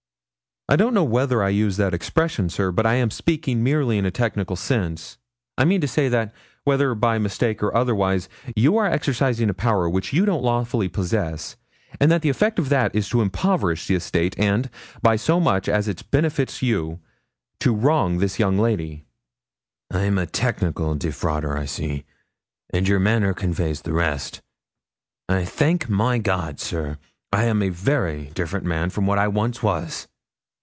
'I don't know whether I used that expression, sir, but I am speaking merely in a technical sense. I mean to say, that, whether by mistake or otherwise, you are exercising a power which you don't lawfully possess, and that the effect of that is to impoverish the estate, and, by so much as it benefits you, to wrong this young lady.' 'I'm a technical defrauder, I see, and your manner conveys the rest. I thank my God, sir, I am a very different man from what I once was.'